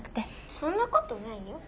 そんな事ないよ。